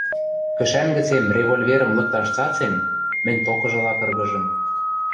Кӹшӓн гӹцем револьверӹм лыкташ цацен, мӹнь токыжыла кыргыжым